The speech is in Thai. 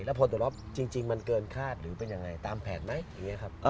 แล้วผลตลอดจริงมันเกินคาดหรือเป็นยังไงตามแผนไหม